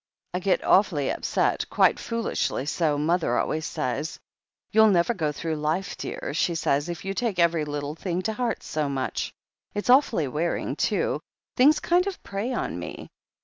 "I get awfully upset— quite foolishly so, mother always says. 'You'll never go through life, dear,' she says, 'if you take every little thing to heart so much.' It's awfully wearing, too — ^things kind of prey on me.